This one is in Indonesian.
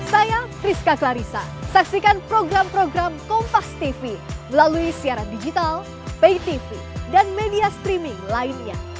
saya rizka klarissa saksikan program program kompastv melalui siaran digital paytv dan media streaming lainnya